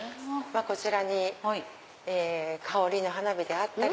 こちらに香りの花火であったり。